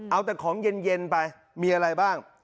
เอาแต่ของเย็นไปมีอะไรบ้าง